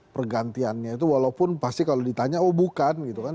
pergantiannya itu walaupun pasti kalau ditanya oh bukan gitu kan